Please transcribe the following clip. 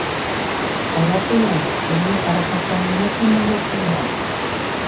Каласе-ян, тений аракатлан мыняр киндым локтылынат?